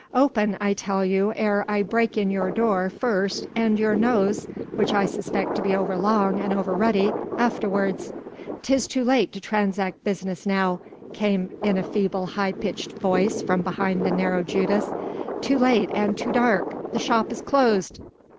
Open I tell you ere I break in your door first and your nose which I suspect to be over long and over ruddy afterwards." "'Tis too late to transact business now," came in a feeble high pitched voice from behind the narrow judas, "too late and too dark. The shop is closed."